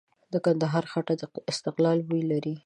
د کندهار خټه د استقلال بوی لري.